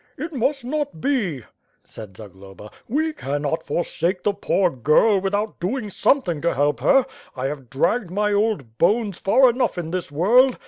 "It must not be," said Zagloba. "We cannot forsake the poor girl without doing something to help her. I have dragged my old bones far enough in this world.